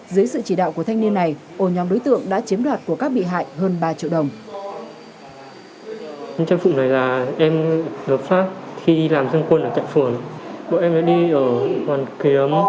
dưới sự chỉ đạo của thanh niên này ô nhóm đối tượng đã chiếm đoạt của các bị hại hơn ba triệu đồng